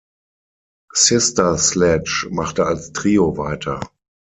Sister Sledge machte als Trio weiter.